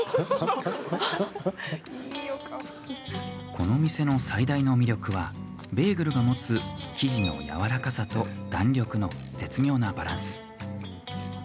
この店の最大の魅力はベーグルが持つ生地のやわらかさと弾力の絶妙なバランス。